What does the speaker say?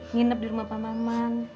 nginep di rumah pak maman